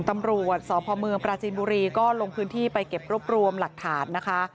ตำรวจสพเมืองปราจีนบุรีก็ลงพื้นที่ไปเก็บรวบรวมหลักฐานนะคะ